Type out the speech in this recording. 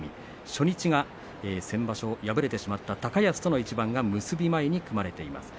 初日は先場所敗れてしまった高安との一番が結び前に組まれています。